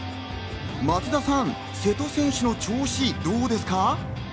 松田さん、瀬戸選手の調子はどうですか？